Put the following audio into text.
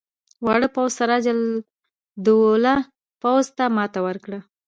واړه پوځ سراج الدوله پوځ ته ماته ورکړه.